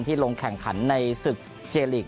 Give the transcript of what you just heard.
ที่ลงแข่งขันในศึกเจลีกส์